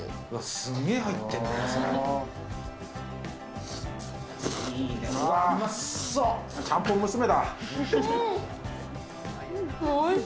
すげえ入ってるんだな。